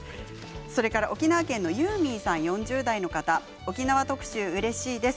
それから沖縄県の４０代の方沖縄特集、うれしいです。